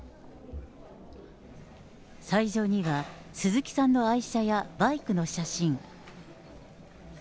斎場には、鈴木さんの愛車やバイクの写真。